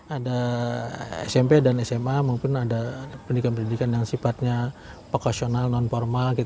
ada smp dan sma maupun ada pendidikan pendidikan yang sifatnya vokasional non formal